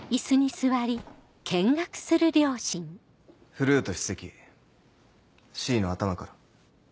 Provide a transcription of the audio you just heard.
フルート首席Ｃの頭から。